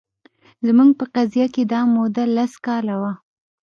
زموږ په قضیه کې دا موده لس کاله وه